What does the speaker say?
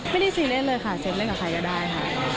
ซีเรียสเลยค่ะเซฟเล่นกับใครก็ได้ค่ะ